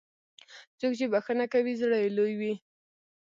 څوک چې بښنه کوي، زړه یې لوی وي.